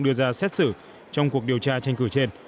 đưa ra xét xử trong cuộc điều tra tranh cử trên